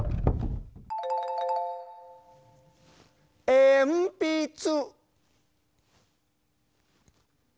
えんぴつ！